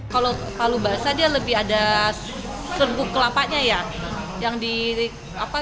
kalau palu basah dia lebih ada serbuk kelapanya ya